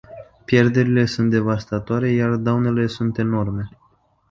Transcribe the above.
Pierderile sunt devastatoare, iar daunele sunt enorme.